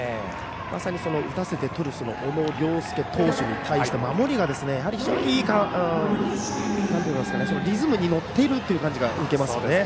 まさに打たせてとる小野涼介投手に対して守りがリズムに乗っている感じを受けますね。